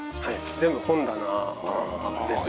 全部本棚ですね。